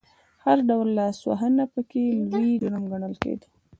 هر ډول لاسوهنه پکې لوی جرم ګڼل کېده.